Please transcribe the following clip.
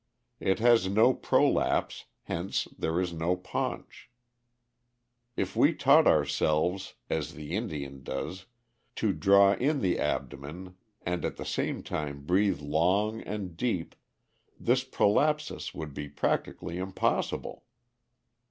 It has no prolapse, hence there is no paunch. If we taught ourselves, as the Indian does, to draw in the abdomen and at the same time breathe long and deep, this prolapsus would be practically impossible.